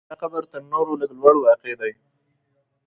دا قبر تر نورو لږ لوړ واقع دی.